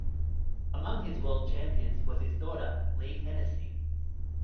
Among his world champions was his daughter, Leigh Hennessy.